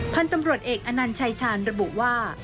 พันธุ์ตำรวจเอกอนัญชัยชาญระบุว่า